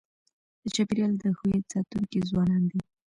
د چاپېریال د هویت ساتونکي ځوانان دي.